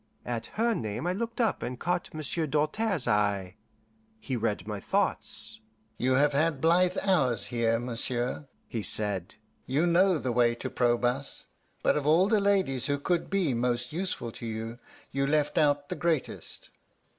At her name I looked up and caught Monsieur Doltaire's eye. He read my thoughts. "You have had blithe hours here, monsieur," he said "you know the way to probe us; but of all the ladies who could be most useful to you, you left out the greatest.